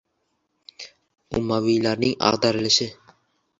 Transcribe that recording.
Umaviylarning ag‘darilishi.